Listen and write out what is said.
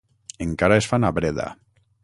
Encara es fan a Breda.